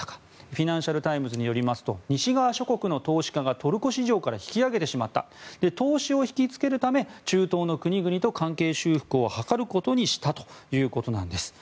フィナンシャル・タイムズによりますと西側諸国の投資家がトルコ市場から引き上げてしまった投資を引きつけるため中東の国々と関係修復を図るようにしたということです。